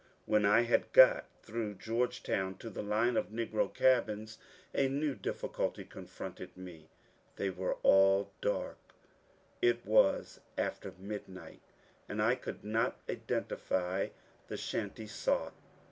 When I had got through Georgetown to the line of negro cabins a new difficulty confronted me ; they were all dark — it was after midnight — and I could not identify the shanty sought.